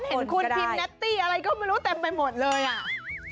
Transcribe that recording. เห็นคุณพิมพ์แนตตี้อะไรก็ไม่รู้เต็มไปหมดเลยอ่ะ